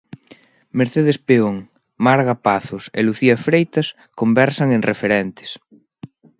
Mercedes Peón, Marga Pazos e Lucía Freitas conversan en 'Referentes'.